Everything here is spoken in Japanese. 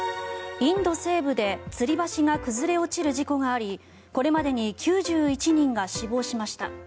インド西部でつり橋が崩れ落ちる事故がありこれまでに９１人が死亡しました。